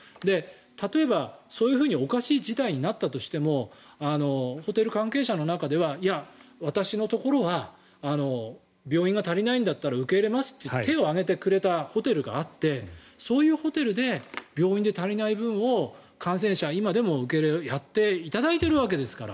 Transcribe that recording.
例えば、そういうふうにおかしい事態になったとしてもホテル関係者の中では私のところは病院が足りないんだったら受け入れますと手を挙げてくれたホテルがあってそういうホテルで病院で足りない分を感染者、今でも受け入れをやっていただいているわけですから。